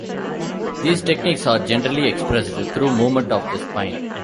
These techniques are generally expressed through movement of the spine.